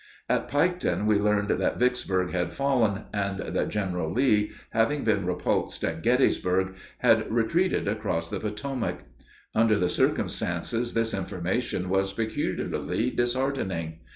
At Piketon we learned that Vicksburg had fallen, and that General Lee, having been repulsed at Gettysburg, had retreated across the Potomac. Under the circumstances this information was peculiarly disheartening.